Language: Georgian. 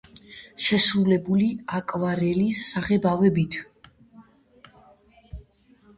შესრულებული აკვარელის საღებავებით.